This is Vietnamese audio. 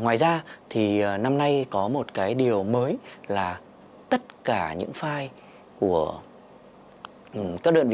ngoài ra thì năm nay có một cái điều mới là tất cả những file của các đơn vị